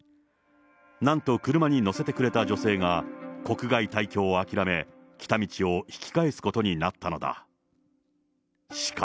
なんと車に乗せてくれた女性が、国外退去を諦め、来た道を引き返すことになったのだ。